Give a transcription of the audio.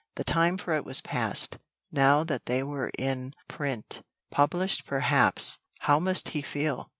The time for it was past. Now that they were in print, published perhaps, how must he feel!